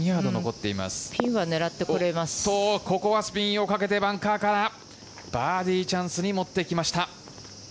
ここはスピンをかけてバンカーからバーディーチャンスに持ってきました。